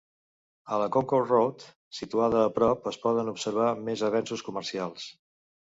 A la Concord Road, situada a prop, es poden observar més avenços comercials.